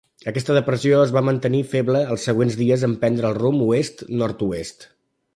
Aquesta depressió es va mantenir feble els següents dies en prendre el rumb oest-nord-oest.